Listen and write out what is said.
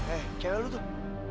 eh kayak lu tuh